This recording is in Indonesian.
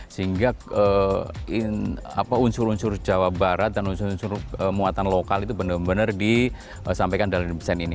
sehingga unsur unsur jawa barat dan unsur unsur muatan lokal itu benar benar disampaikan dalam desain ini